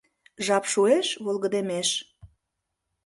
— Жап шуэш, волгыдемеш.